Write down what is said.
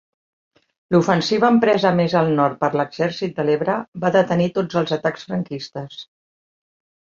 L'ofensiva empresa més al nord per l'Exèrcit de l'Ebre va detenir tots els atacs franquistes.